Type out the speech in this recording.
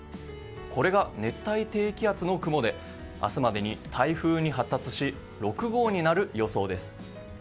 これが熱帯低気圧の雲で明日までに台風に発達し６号になる予想です。